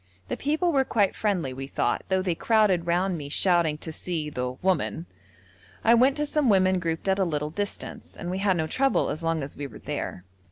The people were quite friendly, we thought, though they crowded round me shouting to see the 'woman.' I went to some women grouped at a little distance, and we had no trouble as long as we were there.